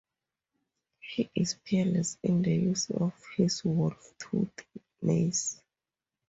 He is peerless in the use of his wolf-toothed mace.